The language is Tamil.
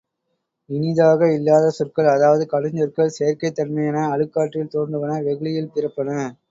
இனிதாக இல்லாத சொற்கள் அதாவது கடுஞ்சொற்கள் செயற்கைத் தன்மையன அழுக்காற்றில் தோன்றுவன வெகுளியில் பிறப்பன.